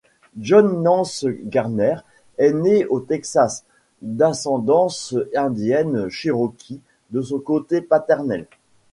John Nance Garner est né au Texas, d'ascendance indienne Cherokee de son côté paternel.